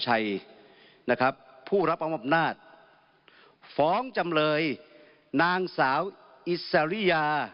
นะครับผู้รับอำนาจฟ้องจำเลยนางสาวอิสริยา